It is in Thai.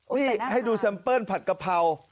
นี่ให้ดูแซมเปิ้ลผัดกะเพรา